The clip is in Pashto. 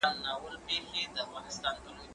زه مخکي تکړښت کړی و!؟